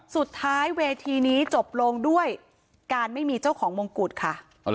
เวทีนี้จบลงด้วยการไม่มีเจ้าของมงกุฎค่ะ